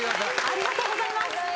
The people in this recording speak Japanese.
ありがとうございます。